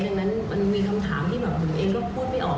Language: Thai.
ดังนั้นมันมีคำถามที่แบบผมเองก็พูดไม่ออก